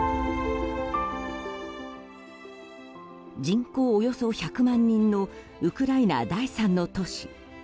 人口およそ１００万人のウクライナ第３の都市。